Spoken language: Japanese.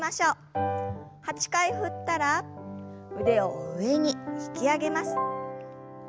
８回振ったら腕を上に引き上げます。